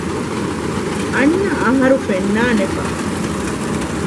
އަންނަ އަހަރު ފެންނާނެބާ؟